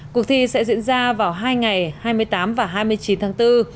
cuộc thi sẽ diễn ra vào hai ngày hai mươi tám và hai mươi chín tháng bốn